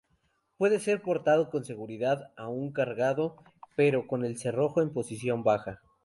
Puede ser portado con seguridad aún cargado, pero con el cerrojo en posición baja.